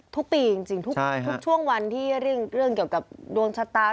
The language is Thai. ทุกปีจริงทุกช่วงวันที่เรื่องเกี่ยวกับดวงชะตา